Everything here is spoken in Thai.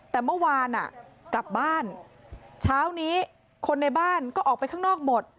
แต่เมื่อวานกลับบ้านเช้านี้คนในบ้านก็ออกไปข้างนอกหมด